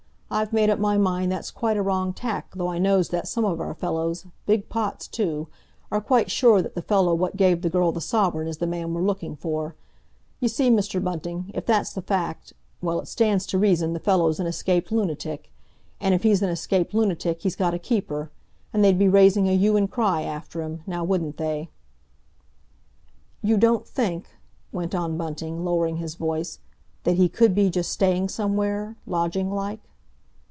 "I've made up my mind that's quite a wrong tack, though I knows that some of our fellows—big pots, too—are quite sure that the fellow what gave the girl the sovereign is the man we're looking for. You see, Mr. Bunting, if that's the fact—well, it stands to reason the fellow's an escaped lunatic; and if he's an escaped lunatic he's got a keeper, and they'd be raising a hue and cry after him; now, wouldn't they?" "You don't think," went on Bunting, lowering his voice, "that he could be just staying somewhere, lodging like?"